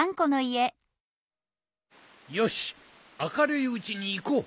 よしあかるいうちにいこう！